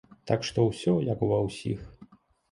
Так што ўсё як ва ўсіх.